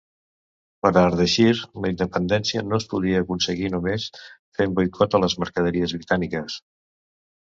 Per a Ardeshir, la independència no es podia aconseguir només fent boicot a les mercaderies britàniques.